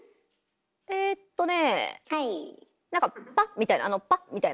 何かパッみたいなあのパッみたいな。